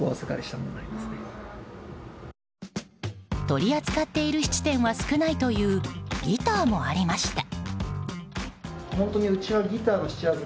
取り扱っている質店は少ないというギターもありました。